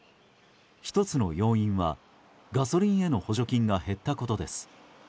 １つの要因はガソリンへの補助金が減ったことです。